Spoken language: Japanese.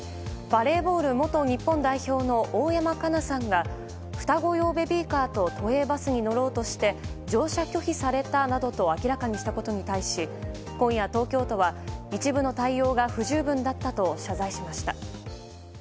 バレーボール元日本代表の大山加奈さんが双子用ベビーカーで都営バスに乗ろうとして乗車拒否されたなどと明らかにしたことに対し今夜、東京都は一部の対応が不十分だったと謝罪しました。